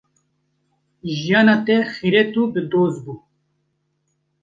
Jiyana te xîret û bi doz bû.